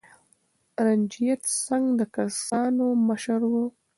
رنجیت سنګ د سکانو مشر و.